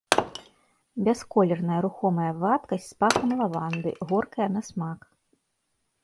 Бясколерная рухомая вадкасць з пахам лаванды, горкая на смак.